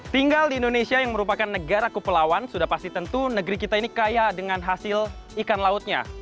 tinggal di indonesia yang merupakan negara kepulauan sudah pasti tentu negeri kita ini kaya dengan hasil ikan lautnya